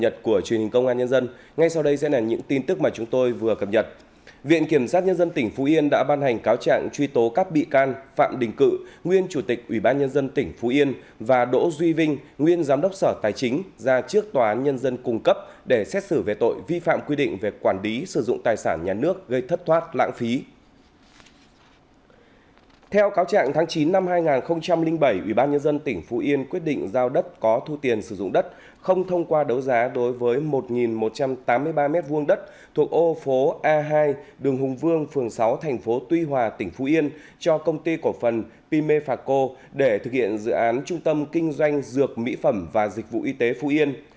theo cáo trạng tháng chín năm hai nghìn bảy ủy ban nhân dân tỉnh phú yên quyết định giao đất có thu tiền sử dụng đất không thông qua đấu giá đối với một một trăm tám mươi ba m hai đất thuộc ô phố a hai đường hùng vương phường sáu thành phố tuy hòa tỉnh phú yên cho công ty cổ phần pimefaco để thực hiện dự án trung tâm kinh doanh dược mỹ phẩm và dịch vụ y tế phú yên